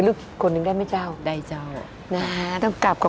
กรูผู้สืบสารล้านนารุ่นแรกแรกรุ่นเลยนะครับผม